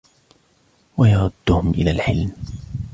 وَيَرُدُّهُمْ إلَى الْحِلْمِ